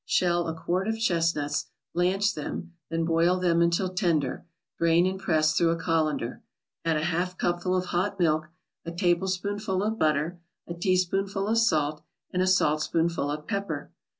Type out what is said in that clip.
Shell a quart of chestnuts, blanch them, then boil them until tender; drain and press through a colander. Add a half cupful of hot milk, a tablespoonful of butter, a teaspoonful of salt and a saltspoonful of pepper.